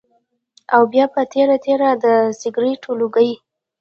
او بيا پۀ تېره تېره د سګرټو لوګی